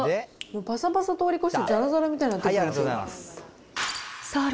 ぱさぱさ通り越して、ざらざらみたいになってきますね。